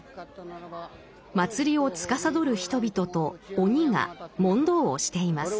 祭りを司る人々と鬼が問答をしています。